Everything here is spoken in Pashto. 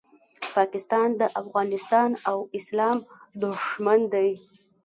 پاکستان د افغانستان او اسلام دوښمن دی